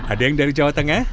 ada yang dari jawa tengah